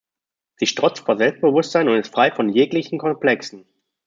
Sie strotzt vor Selbstbewusstsein und ist frei von jeglichen Komplexen.